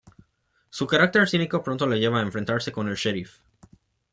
Su carácter cínico pronto le lleva a enfrentarse con el "sheriff".